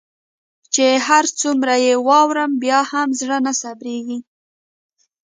چي هر څومره يي واورم بيا هم زړه نه صبریږي